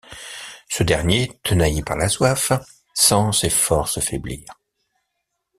Ce dernier, tenaillé par la soif, sent ses forces faiblir.